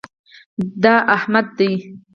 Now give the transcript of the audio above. دی احمد دئ.